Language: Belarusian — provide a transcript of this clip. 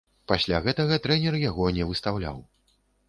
Пасля гэтага трэнер яго не выстаўляў.